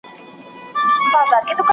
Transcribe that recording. ¬ گوجر ته بوره ښه ده.